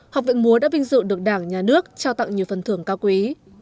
học viện múa đã vinh dự được đảng nhà nước trao tặng nhiều phần thưởng cao quý